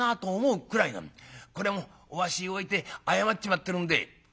これはもうお足を置いて謝っちまってるんで」。